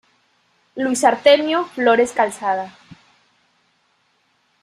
Luis Artemio Flores Calzada.